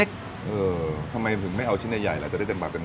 เออทำไมถึงไม่เอาชิ้นใหญ่ละจะได้เต็มบับกันครับ